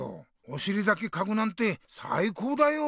おしりだけかくなんてさいこうだよ。